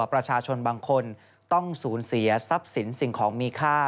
ประชาชนบางคนต้องสูญเสียทรัพย์สินสิ่งของมีค่า